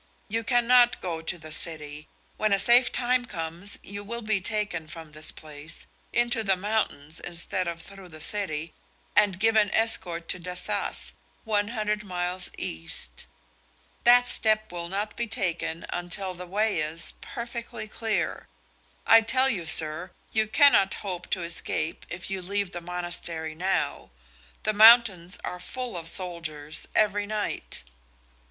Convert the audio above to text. You cannot go to the city. When a safe time comes, you will be taken from this place, into the mountains instead of through the city, and given escort to Dassas, one hundred miles east. That step will not be taken until the way is, perfectly clear. I tell you, sir, you cannot hope to escape if you leave the monastery now. The mountains are full of soldiers every night."